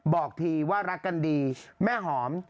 บอกทีว่ารักกันดีแม่หอม